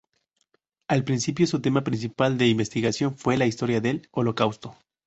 Al principio su tema principal de investigación fue la historia del holocausto.